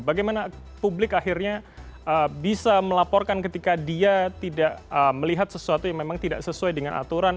bagaimana publik akhirnya bisa melaporkan ketika dia tidak melihat sesuatu yang memang tidak sesuai dengan aturan